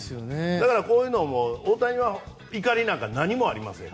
こういうのも大谷は怒りなんか何もありません。